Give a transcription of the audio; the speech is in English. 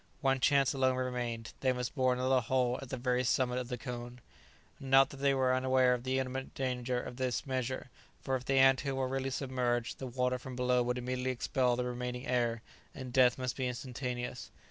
One chance alone remained. They must bore another hole at the very summit of the cone. Not that they were unaware of the imminent danger of this measure, for if the ant hill were really submerged the water from below would immediately expel the remaining air and death must be instantaneous.